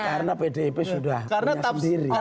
karena pdip sudah punya sendiri